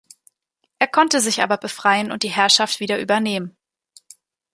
Er konnte sich aber befreien und die Herrschaft wieder übernehmen.